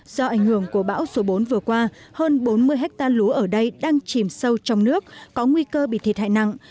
do ảnh hưởng của bão số bốn vừa qua hơn bốn mươi hectare lúa ở đây đang chìm sâu trong nước có nguy cơ bị thiệt hại nặng